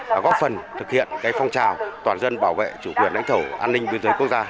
và góp phần thực hiện phong trào toàn dân bảo vệ chủ quyền đánh thổ an ninh biên giới quốc gia